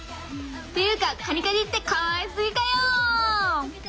っていうかカニカニってかわいすぎかよ！